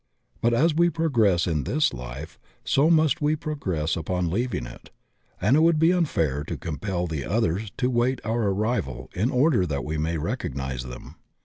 But as we progress in this life so also must we pro gress upon leaving it, and it would be unfair to compel die others to await our arrival in order that we may recognize them.